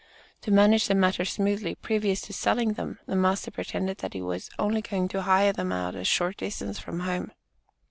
To manage the matter smoothly, previous to selling them, the master pretended that he was "only going to hire them out a short distance from home."